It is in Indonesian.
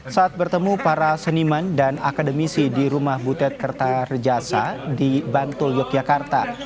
saat bertemu para seniman dan akademisi di rumah butet kertarejasa di bantul yogyakarta